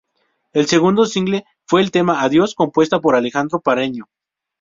El segundo single fue el tema "Adiós", compuesta por Alejandro Parreño.